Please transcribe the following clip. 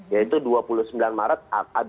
yaitu dua puluh sembilan maret